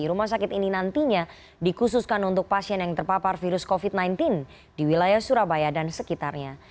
rumah sakit ini nantinya dikhususkan untuk pasien yang terpapar virus covid sembilan belas di wilayah surabaya dan sekitarnya